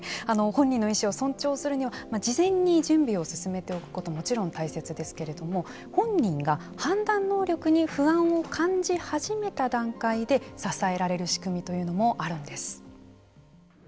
本人の意思を尊重するには事前に準備を進めておくことはもちろん大切ですけれども本人が判断能力に不安を感じ始めた段階で支えられる仕組みというのもあるんです。